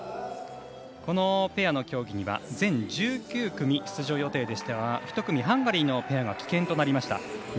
このペアの競技には１９組出場予定でしたが１組、ハンガリーのペアが棄権となりました。